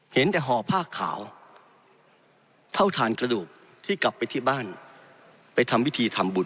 เห็นแต่ห่อผ้าขาวเท่าฐานกระดูกที่กลับไปที่บ้านไปทำพิธีทำบุญ